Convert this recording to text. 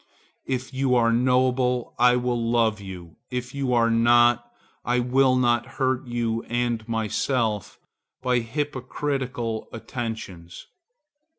If you are noble, I will love you: if you are not, I will not hurt you and myself by hypocritical attentions.